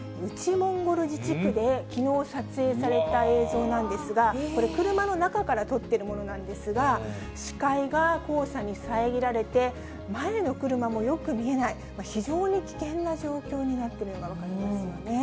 モンゴル自治区できのう撮影された映像なんですが、これ、車の中から撮ってるものなんですが、視界が黄砂に遮られて、前の車もよく見えない、非常に危険な状況になってるのが分かりますよね。